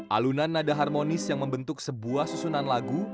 alunan nada harmonis yang membentuk sebuah susunan lagu